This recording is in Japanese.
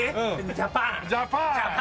ジャパン！